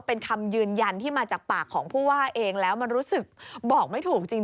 เป็นคำยืนยันที่มาจากปากของผู้ว่าเองแล้วมันรู้สึกบอกไม่ถูกจริง